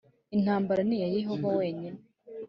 intambara ni iya Yehova wenyine